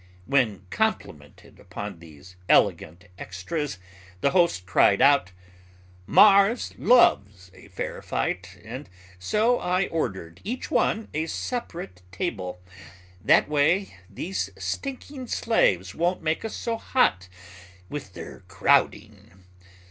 When complimented upon these elegant extras, the host cried out, "Mars loves a fair fight: and so I ordered each one a separate table: that way these stinking slaves won't make us so hot with their crowding."